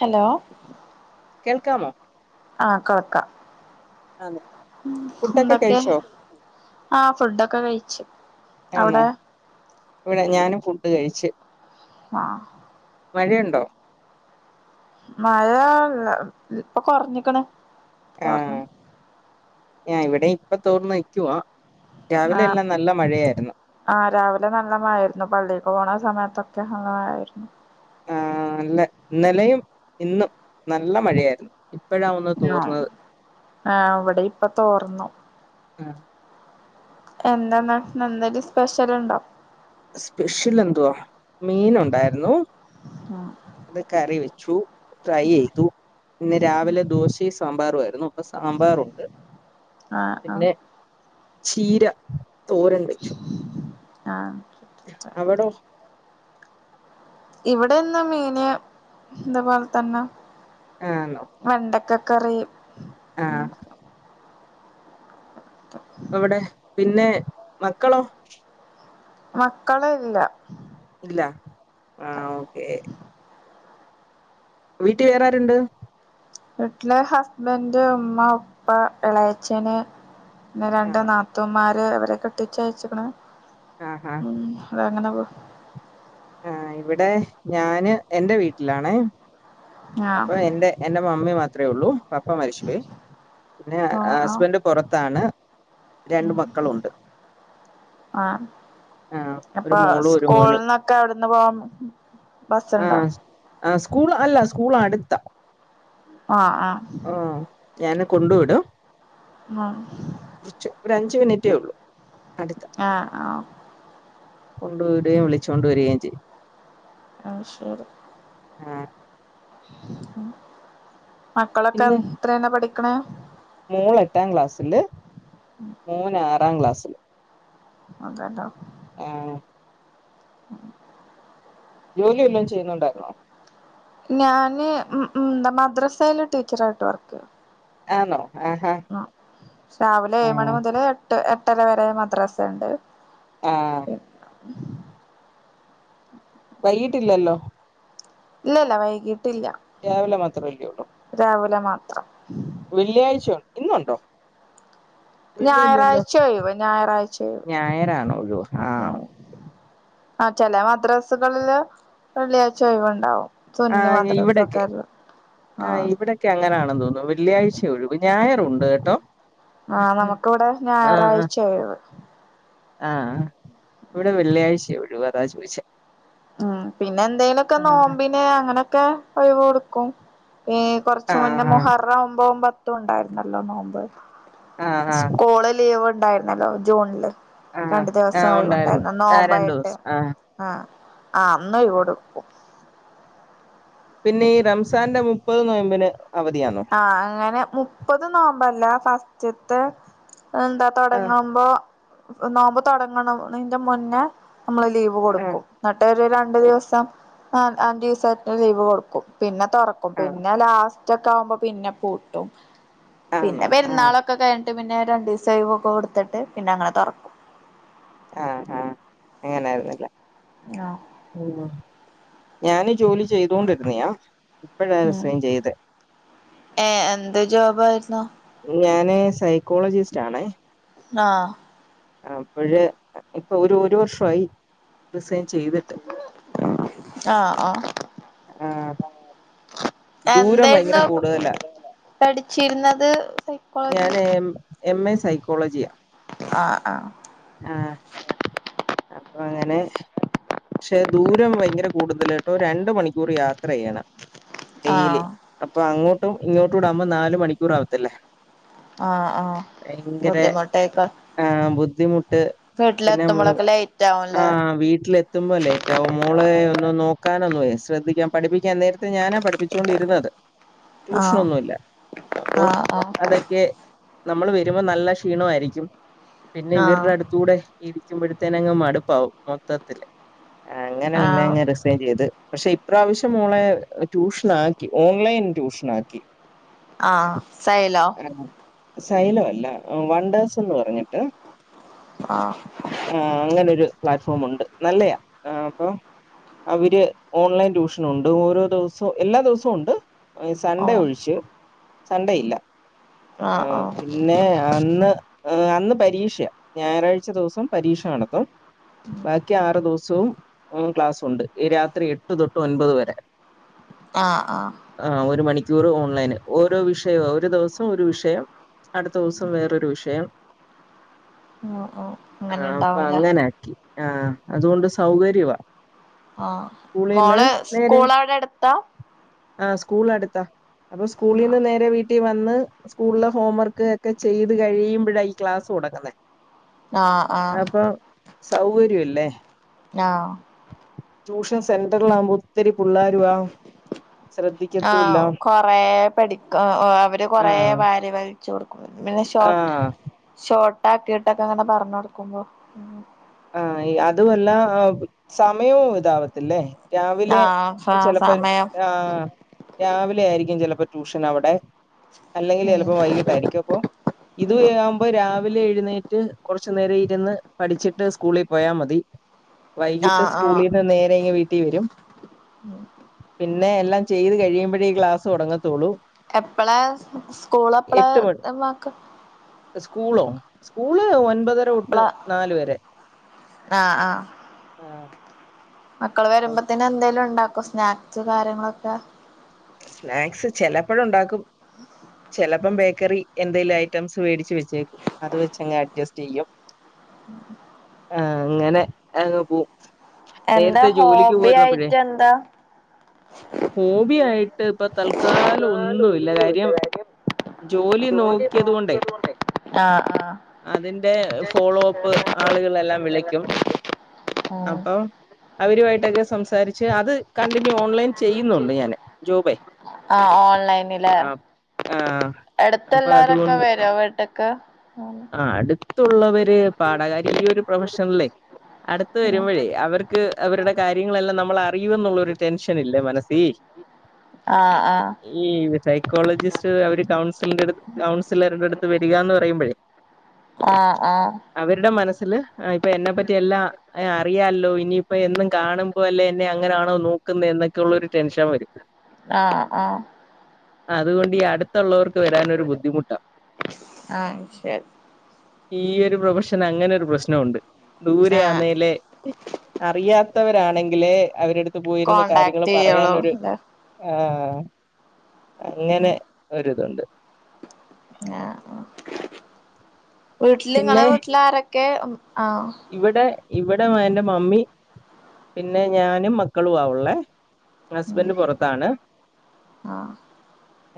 Hello... കേൾക്കാമോ? ആഹ കേക്കാം, ആന്നോ ഫുഡൊക്കെ എന്തൊക്കെ? കഴിച്ചോ ആഹ ഫുഡ് ഒക്കെ കഴിച്ചു, ആന്നോ അവിടെ? ഇവിടെ ഞാനും ഫുഡ് കഴിച്ചു. ആഹാ.. മഴയുണ്ടോ? മഴ ഇപ്പോ കുറഞ്ഞിക്കണ് തോർന്നു. ആഹ് ഇവിടെ ഇപ്പ തോർന്ന് നിക്കുവാ രാവിലെ ആഹ് എല്ലാ നല്ല മഴയായിര്ന്ന് ആഹ് രാവിലെ നല്ല മഴയായിരവന്നു പള്ളിക്ക് പോണ സമയത്തൊക്കെ നല്ല മഴയായിരുന്നു ആഹ് നല്ല ഇന്നലെയും ഇന്നും നല്ല മഴയായിരുന്നു ഇപ്പഴാ ഒന്ന് [unintelligible] തോർന്നത് ആഹ് അവിടെ ഇപ്പ തോർന്നു ഹ എന്താന്ന് ഇന്ന് എന്തെങ്കി സ്പെഷ്യൽ ഇണ്ടോ? സ്പെഷ്യലെന്തുവാ മീൻ ഉണ്ടായിര്ന്നു ആഹ് കറി വെച്ചു ഫ്രൈ ചെയ്തു ഇന്ന് രാവിലെ ദോശയും സാമ്പാറു ആയിരുന്നു പ്പൊ സാമ്പാറുണ്ട് ആഹ് ആഹ് പിന്നെ ചീര തോരൻ വെച്ചു അവിടോ [unintelligible] ഇവിടെന്ന് മീന് ഇത്പോലെത്തന്നെ ആന്നോ? വെണ്ടക്ക കറി ആഹ് അവിടെ പിന്നെ മക്കളോ? മക്കള് ഇല്ല ല്ല ആഹ് ഓക്കേ വീട്ടി വേറാര്ണ്ട്? വീട്ടില് ഹസ്ബൻഡ് ഇമ്മ ഇപ്പ എളയച്ചന് പിന്നെ രണ്ട് ആന്നോ നാത്തൂന്മാര് അവരെ കെട്ടിച്ചയച്ചിക്ക്ണ് ആഹാ ഉം അതങ്ങനെ പോ ആഹ് ഇവിടെ ഞാന് എന്റെ വീട്ടിലാണേ ആഹ് അപ്പൊ എൻറെ എന്റെ മമ്മി മാത്രേ ഒള്ളൂ പപ്പ മരിച്ചുപോയി പിന്നെ ആഹ് ആഹ് ഹസ്ബൻഡ് പൊറത്താണ് രണ്ട് ഉം മക്കളുണ്ട് ആഹ് ആഹ് ഒരു അപ്പൊ മോളും ഒരു മോനും സ്കൂളിന്നൊക്കെ അവിട്ന്ന് പോ ബസ്ണ്ടോ? ആഹ് ആഹ് സ്കൂൾ അല്ല സ്കൂൾ അടുത്ത ആഹ് ആഹ് ആഹ് ഞാന് കൊണ്ടു വിടും ആഹ് കുറച്ച് ഒരഞ്ചു മിനിറ്റേ ഒള്ളൂ അടുത് ആഹ് ആഹ് കൊണ്ട് വിടേ വിളിച്ചോണ്ട് വരികേം ചെയ്യും അത്ശരി ആഹ് മക്കളൊക്കെ എത്രേല പഠിക്ക്ണെ മോള് എട്ടാം ക്ലാസ്സില് മോൻ ആറാം ക്ലാസ്സില് [unintelligible] ആഹ് ഉം ജോലി വല്ലോം ചെയ്യുന്നുണ്ടായിരുന്നോ? ഞാന് മ് മ് ന്താ മദ്രസേല് ടീച്ചറായിട്ട് വർക്കെയ ആന്നൊ? ആഹ് രാവിലെ ഏഴുമണി ആഹ് മുതല് എട്ട് എട്ടര വരെ മദ്രസെണ്ട് ആഹ് വൈകിട്ടില്ലല്ലോ ഇല്ലല്ല വൈകിട്ടില്ല രാവിലെ മാത്രവല്ലേ ഉള്ളു രാവിലെ മാത്രം വെള്ളിയാഴ്ച്ചോ ഇന്നൊണ്ടോ ഞായറാഴ്ച്ച ഒഴിവ് ഞായറാഴ്ച്ച ഒഴിവ് ഞായറാണ് ഒഴിവ് ഉം ആഹ് ആഹ് ചെല മദ്രസകളില് വെള്ളിയാഴ്ച്ച ഒഴിവെണ്ടാവും ആഹ് ഇവിടൊക്കെ ആഹ് ഇവിടെ ക്കങ്ങനാണെന്ന് തോന്നുന്നു വെള്ളിയാഴ്ച്ചാ ഒഴിവ് ഞായറുണ്ട് കേട്ടോ ആഹ് നമു‌ക്കിവിടെ ആഹ് ആഹ് ഞായറാഴ്ച്ച ഒഴിവ് ആഹ് ഇവിടെ വെള്ളിയാഴ്ച്ചയ ഒഴിവ് അതാ ചോദിച്ചേ ഉം പിന്നെ എന്തേലൊക്കെ ആഹ് നോമ്പിന് അങ്ങനൊക്കെ ഒഴിവ് കൊടുക്കും ഈ കൊറച്ച് മുന്നേ ആഹ് മുഹറം ഒമ്പും പത്തും ഉണ്ടായിരുന്നല്ലോ നോമ്പ് ആഹ് ആഹ് സ്കൂളി ലീവ് ഉണ്ടായിരുന്നല്ലോ ജൂണില് ആഹ് രണ്ടു ദിവസം ആഹ് ഉണ്ടായിരുന്നു ഒഴിവുണ്ടായിരുന്നു ആഹ് രണ്ടു നോമ്പായിട്ട് ദിവസം ആഹ് ആഹ് ആഹ് അന്ന് ഒഴിവ് കൊടുക്കും പിന്നെ ഈ റംസാന്റെ മുപ്പത് നോമ്പിന് അവധിയാന്നോ ആഹ് അങ്ങനെ മുപ്പത് നോമ്പല്ല ഫസ്റ്റ്ത്തെ എന്താ ആഹ് തൊടങ്ങുമ്പോ നോമ്പ് തൊടങ്ങണന്റെ മുന്നേ നമ്മള് ലീവ് ആഹ് കൊടുക്കും എന്നട്ടൊരു രണ്ടു ദിവസം ആഹ് അഞ്ചു ദിവസം ലീവ് കൊടുക്കും പിന്നെ തൊറക്കും ആഹ് പിന്നെ ലാസ്റ്റൊക്കെ ആകുമ്പോ പിന്നെ പൂട്ടും പിന്നെ ആന്നോ ആഹ് പെരുന്നാളൊ ക്കെ കഴിഞ്ഞട്ട് പിന്നെ രണ്ടൂസം ഒഴിവൊക്കെ കൊടുത്തിട്ട് പിന്നങ്ങനെ തൊറക്കും ആഹ് ആഹ് അങ്ങനായിരുന്നല്ലെ ആഹ് ഉവ്വാ ഞാനി ജോലി ചെയ്തോണ്ടിരുന്നയാ ഇപ്പഴാ ഉം റിസേയ്ൻ ചെയ്തെ ഏഹ് എന്ത് ജോബായിരുന്നു ഞാന് സൈക്കോളജിസ്റ്റാണേ ആഹ് അപ്പഴ് ഇപ്പൊ ഒരു ഒരു വർഷമായി റിസൈൻ ചെയ്തട്ട് ആഹ് ആഹ് ആഹ് ദൂരം ഭയങ്കര എന്തായിരുന്നു കൂടുതലാ പഠിച്ചിരുന്നത് സൈക്കോളജി [unintelligible] എം എ സൈക്കോളജിയാ ആഹ് ആഹ് ആഹ് അപ്പൊ അങ്ങനെ പക്ഷെ ദൂരം ഭയങ്കര കൂടുതലാട്ടോ രണ്ട് മണിക്കൂറ് യാത്ര ചെയ്യണം ഡെയിലി ആഹ് അപ്പൊ അങ്ങോട്ടും ഇങ്ങോട്ടുംടാകുമ്പ നാല് മണിക്കൂറാവത്തില്ലേ ആഹ് ആഹ് ബുദ്ധിമുട്ടേക്ക ആഹ് ബുദ്ധിമുട്ട് പിന്നെ മൂ വീട്ടിലെത്തുമ്പളൊക്കെ ലേറ്റാവുംല്ലേ ആഹ് വീട്ടിലെത്തുമ്പോ ലേറ്റാവും മോളേ ഒന്ന് നോക്കാനൊന്നുവേ ശ്രദ്ധിക്കാൻ പഠിപ്പിക്കാൻ നേര ഞാനാ പഠിപ്പിച്ചോണ്ടിരുന്നത്. ആഹ് ട്യൂഷ്നൊന്നുല്ല. അപ്പൊ ആഹ് ആഹ് അതെക്കെ നമ്മള് വെര്മ്പൊ നല്ല ക്ഷീണവായിരിക്കും. പിന്നെ ആഹ് ഇവര്ടെ അട്ത്തൂടെ ഇരിക്കുമ്പഴ ത്തെനങ്ങ് മട്പ്പാവും മൊത്തത്തില്. അങ്ങനെ ആഹ് പിന്നെങ്ങ റി സേൻ ചെയ്ത് പക്ഷെ ഇപ്രാവശ്യം മോളെ ട്യൂഷനാക്കി. ഓൺലൈൻ ട്യൂഷനാക്കി. ആഹ്. സൈലോ? ആഹ്. സൈലൊ അല്ല. വൺണ്ടേഴ്സ് എന്ന് പറഞ്ഞിട്ട് ആഹ് ആഹ് അങ്ങനൊരു പ്ലാറ്റ്ഫോമൊണ്ട് നല്ലയാ. ആഹ് അപ്പൊ അവര് ഓൺലൈൻ ട്യൂഷനൊണ്ട്. ഓരോ ദൊവസവും എല്ലാ ദോസുംണ്ട് സൺഡേ ഓഹ് ഒഴിച്ച്, സൺഡേ ഇല്ല. ആഹ് പിന്നെ അന്ന് ഏഹ് അന്ന് പരീക്ഷയാ. ഞായറാഴ്ച ദിവസം പരീക്ഷ നടത്തും. ബാക്കി ആറ് ദിവസവും ഉം ക്ലാസ്സുണ്ട്. ഈ രാത്രി എട്ട് തൊട്ട് ഒൻപത് വരെ ആഹ് ആഹ് ആഹ് ഒരു മണിക്കൂറ് ഓൺലൈന്. ഓരോ വിഷയവാ ഒരു ദിവസ ഒരു വിഷയം. അട്ത്തോസം വേറൊരു വിഷയം. ആഹ് ആഹ് ആഹ് അപ്പ അങ്ങനെ ആക്കി. ആഹ് അതുകൊണ്ട് സൗകര്യവാ. ആഹ് സ്കൂളിൽ നിന്ന് മോള് നേരെ സ്ക്കൂള് അവ്ടെ ട്ത്താ ആഹ് സ്ക്കൂളട്ത്താ. അപ്പൊ സ്കൂളീന്ന് നേരെ വീട്ടിവന്ന് സ്ക്കൂൾലെ ഹോം വർക്ക് ഒക്കെ ചെയ്ത് കഴിയുമ്പഴാ ഈ ക്ലാസൊട്ങ് ന്നെ. ആഹ് ആഹ് അപ്പം സൗകര്യല്ലേ. ആഹ് ട്യൂഷൻ സെന്റർലാവ്മ്പൊ ഒത്തിരി പുള്ളേരു ആവും. ശ്രദ്ധി ആഹ് കൊറേ പഠിക്കാ ആഹ് അവര് കൊറേ ആഹ് വാരിവൽ ച്ചൊട്ക്കും. പിന്നെ ഷോട്ട് ആഹ് ഷോർട്ടാക്കിയിട്ടൊക്കെ അങ്ങനെ പർണൊട്ക്കുമ്പം ആഹ് ഈ അതുവല്ല സമയവും ഇതാവത്തില്ലേ രാവിലെ ആഹ് സ ചെലപ്പൊരു സമയം ആഹ് രാവിലെ യായിരിക്കും ചെലപ്പൊ ട്യൂഷന് അവ്ടെ. അല്ലെങ്കില് ഉം ചെലപ്പൊ വൈകിട്ടായിരിക്കും അപ്പൊ ഇത് വെവ്മ്പോ രാവിലെ എഴുന്നേറ്റ് കൊറച്ച് നേരം ഇരുന്ന് പഠിച്ചിട്ട് സ് ക്കൂളി പോയാ മതി. വൈകിട്ട് ആഹ് ആഹ് സ്ക്കൂളീന്ന് നേരെ യിങ്ങി വീട്ടി വരും. പിന്നെ എല്ലാം ചെയ്ത് കഴിയുമ്പഴേ ഈ ക്ലാസൊടങ്ങത്തൊള്ളൂ. എപ്പളാ സ്ക്കൂള് എപ്പളാ. ത്തം വാക്ക സ്ക്കൂളോ സ്ക്കൂള് ഒൻപതര ഒട്ട് എപ്പളാ നാല് വരെ. ആഹ് ആഹ് ആഹ് മക്കള വര്മ്പത്തിന് എന്തേലും ണ്ടാക്കൊ സ്നാക്സ് കാര്യങ്ങളൊക്കെ സ്നാക്സ് ചെലപ്പൊഴണ്ടാക്കും. ചെലപ്പം ബേക്കറി എന്തേലു ഐറ്റംസ് വേടിച്ച് വെച്ചേ അത് വെച്ചങ്ങ് അഡ്ജസ്റ്റൈയ്യും. ഉം ആഹ് അങ്ങനെ അങ് പോവും. എന്താ നേരത്തെ ജോലിക്ക് ഹോബി പോയിരുന്നപ്പഴെ ആയിട്ട് എന്താ ഹോബിയായിട്ട് പ്പ തൽക്കാലം ന്നാലും ഒന്നു ഇല്ല ഒന്നുല്ല കാര്യം ജോലി നോക്കിയത് കൊണ്ടേ നോക്കിയതോണ്ടെ ആഹ് ആഹ് അതിന്റെ ഫോളോപ്പ് ആള്കളെല്ലാം വിളക്കും ഉം അപ്പം അവരുവായിട്ടൊക്കെ സംസാരിച്ച് അത് കണ്ടിന്യൂ ഓൺലൈൻ ചെയ്യുന്നുണ്ട് ഞാന് ജോബൈ ആഹ് ഓൺലൈനില് ആ ആഹ് അപ്പ എടുത്തുള്ളവരൊക്കെ അത്കൊണ്ട് വരോ വീട്ട്ക്ക് ആഹ് അട്ത്തുള്ളവര് പാഠാ കാര്യം ഈ ഒരു പ്രൊഫഷൻല്ലേ അട്ത്ത് ആഹ് വരുമ്പഴേ അവർ ക്ക് അവരുടെ കാര്യങ്ങളെല്ലാം നമ്മൾ അറിയും എന്നുള്ള ഒരു ടെൻഷൻ ഇല്ലേ മനസ്സീ ആഹ് ആഹ് ഈ സൈക്കോളജിസ്റ്റ് അവര് കൗൺസിലിന്റെ അടു കൗൺസിലറിന്റെ അടുത്ത് വരിക്കാന്ന് പറയുമ്പഴേ ആഹ് ആഹ് അവര്ടെ മനസ്സില് ആ ഇപ്പ എന്നെപ്പറ്റി എല്ലാം അറിയാല്ലോ ഇനിയിപ്പ എന്നും കാണും ഇപ്പോ എല്ലേ എന്നെ അങ്ങനാണോ നോക്ക്ന്നേ എന്നൊക്കെയുള്ളരു ടെൻഷൻ വരും ആഹ് ആഹ് അത്കൊണ്ട് ഈ അട്ത്തുള്ളവർക്ക് വരാനൊരു ബുദ്ധിമുട്ടാ ആഹ് ശരി ഈ ഒരു പ്രൊഫഷൻ അങ്ങനെ ഒരു പ്രശ്നം ഉണ്ട് ദൂരെ ആഹ് ആന്നേലെ അറിയാത്തവരാണെങ്കിലേ അവരെടുത്ത് പോയിരുന്ന് കാര്യങ്ങൾ കോണ്ടാക്ട് ചെയ്യോളൂ പറയാനൊര് ല്ലേ ആഹ് അങ്ങനെ ഒര്തുണ്ട് ആഹ് വീട്ട്ല് ങ്ങളെ വീട്ട്ല് ആരൊക്കെ ഉം ആഹ് ഇവടെ ഇവടെ എന്റെ മമ്മി പിന്നെ ഞാനും മക്കളും ആ ഉള്ളേ ഉം ഹസ്ബൻഡ് പൊറത്താണ് ആഹ്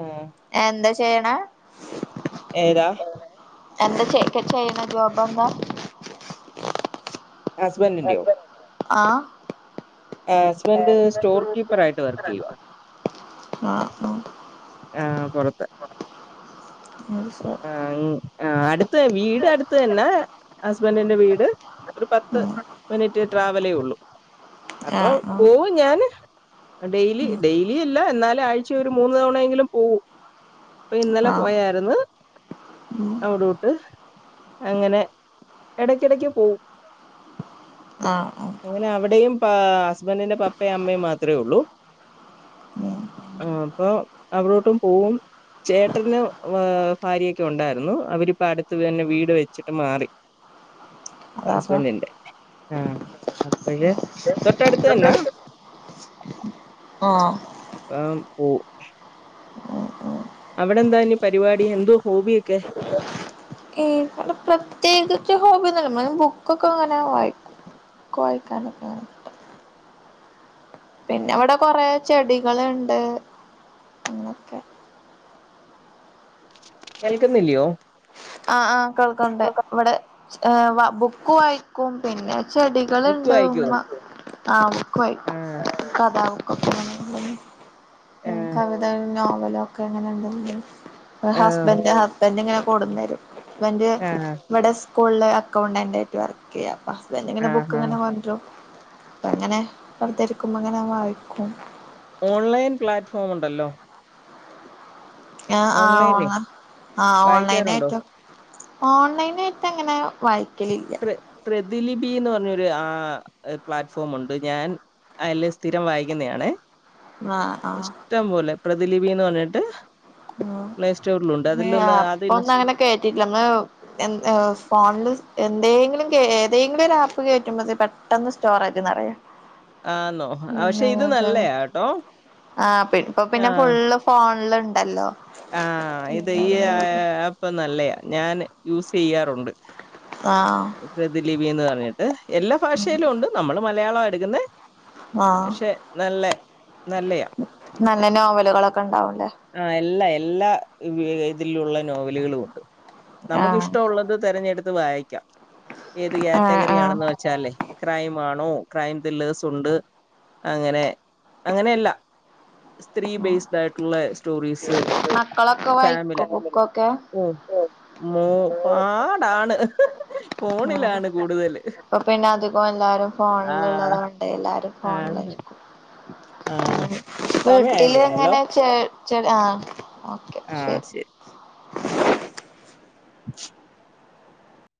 ഉം എന്താ ചെയ്യണേ ഏതാ എന്താ ച്ചെ ചെയ്യ്ണ ജോബന്താ ഹസ്ബൻഡിന്റെയോ ആഹ് ആഹ് ഏസ്ബൻഡ് അത് സ്റ്റോർ ശരി കീപ്പറായിട്ട് വർക്കി യ്യ ആഹ് പൊറത്ത് [unintelligible] ആഹ് ങ്ങ് ആഹ് അട്ത്ത് വീട് അട്ത്തന്നെ ഹസ്ബന്റിന്റെ വീട് ഒര് പത്ത് ഉം മിനിറ്റ് ട്രാവലേഒള്ളൂ അപ്പൊ ആഹ് ആഹ് പോവും ഞാന് ഡെയ്ലി ഉം ഡെയ്ലി എല്ല എന്നാല ആഴ്ച ഒരു മൂന്ന് തവണയെങ്കിലും പോവും ഇന്നലെ ആഹ് പോയാരുന്നു ഉം അവ്ടോട്ട് അങ്ങനെ എടക്കെടക്ക് പോവും ആഹ് ആഹ് അങ്ങനെ അവടെയും പ ഹസ്ബന്റിന്റെ പപ്പേ അമ്മിം മാത്രേ ഒള്ളൂ ഉം ഉം ആപ്പൊ അവ്ടോട്ടും പോവും ചേട്ടന് വാ ഫാര്യയൊക്കെ ഉണ്ടാരുന്നു അവരിപ്പോ അട്ത്ത് തന്നെ വീട് വെച്ചിട്ട് മാറി അതാ അതാ ഹസ്ബൻ്റിന്റെ ആഹ് അപ്പഴ് തൊട്ട അടുത്ത് തന്നാ ആഹ് ആം പൂ അവടെ എന്താഞി പരിവാടി എന്തോ ഹോബിയൊക്കെ ഈവടെ പ്രത്യേകിച്ച് ഹോബി ഒന്നുല്ല മ്മൾ ബുക്കൊക്ക ങ്ങനെ വായി ബുക്ക് വായിക്കാനൊക്കേണ് പിന്നെ ഇവടെ കൊറേ ചെടികൾണ്ട് എന്നൊക്കെ കേൾക്കുന്നില്ല്യാ ആഹ് ആഹ് കേൾക്കണ്ട് ഇവിടെ ബുക്ക് വായിക്കും പിന്നെ ചെടി ബുക്ക് കളുണ്ട് വായിക്കുവോ ഉമ്മ ആഹ് ബുക്ക്‌ ആ വായിക്കും കഥാബുക്ക് ആ കവിത നോവലൊക്കെ അങ്ങനെന്തെങ്കിലും ആ ഹസ്ബൻഡ് ഹസ്ബൻഡങ്ങനെ കൊടുന്നരും ബൻ്റ് ഇവിടെ സ്കൂളില് അക്കൗണ്ടന്റായിട്ട് വർക്ക് ചെയ്യാ പ്പ ഹസ്ബൻഡ് ങ്ങനെ ആ ആ ബുക്ക്ങ്ങനെ കൊണ്ടരും അപ്പങ്ങനെ വെറുതെരിക്കുമ്പോ ങ്ങനെ വായിക്കും ഓൺലൈൻ പ്ലാറ്റ്ഫോംണ്ടല്ലോ ആഹ് ആഹ് ഓൺലൈനെ ഓൺല ആ ഓൺലൈനാ വായിക്കാറുണ്ടോ? യിട്ടോ ഓൺലൈനായിട്ട്ങ്ങനെ വായിക്കലില്ല പ്ര പ്രതിലിപിന്ന് പറഞ്ഞൊരു ആ പ്ലാറ്റ്ഫോമുണ്ട് ഞാൻ അയിൽ സ്ഥിരം വായിക്കുന്നതാണ് ആഹ് ആഹ് ഇഷ്ടം പോലെ പ്രതിലിപിന്ന് പറഞ്ഞിട്ട് പ്ലേസ്റ്റോറിലുണ്ട് അതിലൊന്ന് അത് കേറ്റിട്ട ങ്ങേ ഫോണിൽ എന്തെങ്കിലും ഏതെങ്കിലും ഒരു ആപ്പ് കേറ്റുമ്പോത് പെട്ടെന്ന് സ്റ്റോറജ്ന്ന്റിയോ ആന്നോ? ആ, പക്ഷെ ന്താന്നു ഇത് വെച്ചാൽ നല്ലയാ കേട്ടോ. ആഹ് പ്പ പിന്നെ ആഹ്, ഫുള്ളും ഫോണിൽണ്ടല്ലോ ആഹ് ഇത് ഈ ആപ്പ് നല്ലേ ഞാൻ യൂസ് ചെയ്യാറുണ്ട് ആഹ് പ്രൃതിലിപിന്ന് പറഞ്ഞിട്ട് എല്ലാ ഭാഷയിലുണ്ട് നമ്മള് മലയാള ടുക്കുന്ന ആ പക്ഷെ നല്ല നല്ലയാ നല്ല നോവലുകളൊക്കെ ഉണ്ടാവുല്ലെ ആഹ് എല്ലാ എല്ലാതിലുള്ള നോവലുകളുണ്ട് ആ നമുക്ക് ഇഷ്ടമുള്ളത് തിരഞ്ഞെടുത്ത് വായിക്കാം ഏത് ആ കാറ്റഗറി ആ ആണെന്ന് വ വച്ചല്ലേ ക്രൈം ആണോ ക്രൈം ലേസുണ്ട് അങ്ങനെ അങ്ങനെയല്ല സ്ത്രീ ബേസ്ഡ് ആയിട്ടുള്ള സ് മക്കളൊക്കെ വായിക്കോ ഫാമിലി ബുക്കൊക്കെ ഉം മോ പാടാണ് ഫോണിലാണ് കൂടുതല്. അപ്പൊ പിന്നെ അധികം എല്ലാരും ഫോണിലള്ളത ആഹ് കൊണ്ട് എല്ലാരും ആഹ് ഫോണിലായിരിക്കും. സമയായെന്ന് തോന്നല്ലോ വീട്ടിലങ്ങനെ ച ശെരി ആഹ് ഓക്കെ ശരി.